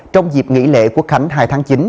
trong dịp nghỉ lễ quốc khánh hai tháng chín